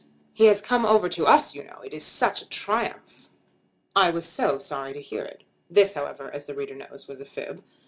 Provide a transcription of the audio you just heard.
"He has come over to us, you know. It is such a triumph." "I was so sorry to hear it." This, however, as the reader knows, was a fib.